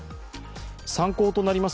参考となります